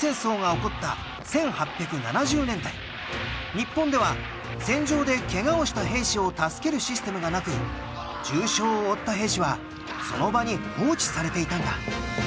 日本では戦場でケガをした兵士を助けるシステムがなく重傷を負った兵士はその場に放置されていたんだ。